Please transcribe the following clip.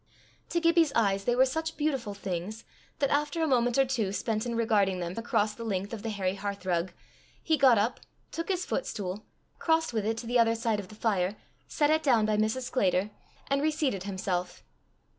To Gibbie's eyes they were such beautiful things, that, after a moment or two spent in regarding them across the length of the hairy hearthrug, he got up, took his footstool, crossed with it to the other side of the fire, set it down by Mrs. Sclater, and reseated himself.